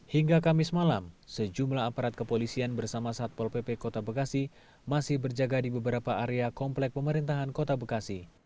hingga kamis malam sejumlah aparat kepolisian bersama satpol pp kota bekasi masih berjaga di beberapa area komplek pemerintahan kota bekasi